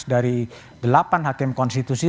dari delapan hakim konstitusi